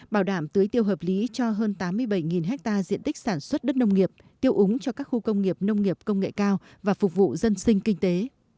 bảo đảm tưới tiêu hợp lý cho hơn tám mươi bảy ha diện tích sản xuất đất nông nghiệp tiêu úng cho các khu công nghiệp nông nghiệp công nghệ cao và phục vụ dân sinh kinh tế